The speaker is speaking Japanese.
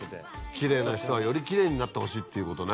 きれいな人はよりきれいになってほしいっていうことね。